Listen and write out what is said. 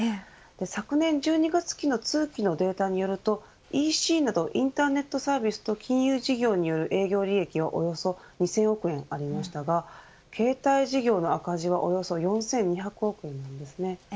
昨年１２月期の通期のデータによるとＥＣなどインターネットサービスと金融事業による営業利益はおよそ２０００億円ありましたが携帯事業の赤字はおよそ４２００億円です。